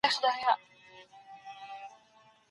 خلع څه ته وايي او څنګه ترسره کيږي؟